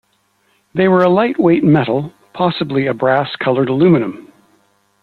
They were a light weight metal, possibly a brass coloured aluminum.